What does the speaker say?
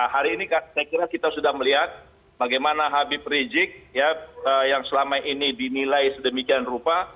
hari ini saya kira kita sudah melihat bagaimana habib rizik yang selama ini dinilai sedemikian rupa